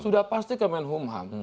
sudah pasti kemenkumham